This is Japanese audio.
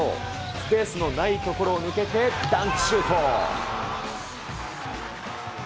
スペースのない所を抜けて、ダンクシュート。